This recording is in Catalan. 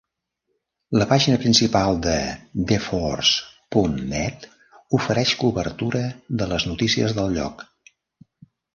La pàgina principal de TheForce.Net ofereix cobertura de les notícies del lloc.